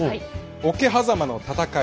桶狭間の戦い